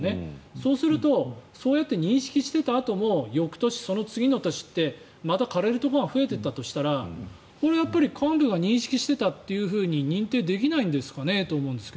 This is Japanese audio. そうするとそうやって認識していたあとも翌年、その次の年ってまた枯れるところが増えていったとしたらこれはやっぱり、幹部が認識していたっていうふうに認定できないんですかねと思うんですが。